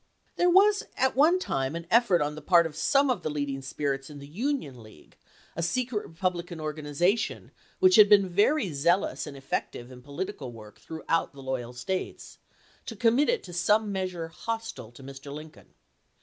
There was at one time an effort on the part of some of the leading spirits in the Union League, a secret Republican organization which had been very zealous and effective in political work throughout the loyal States, to commit it to some measure hostile to Mr. Lincoln.